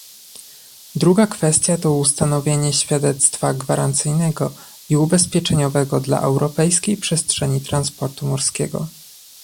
Druga kwestia to ustanowienie świadectwa gwarancyjnego i ubezpieczeniowego dla europejskiej przestrzeni transportu morskiego